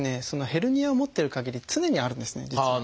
ヘルニアを持ってるかぎり常にあるんですね実は。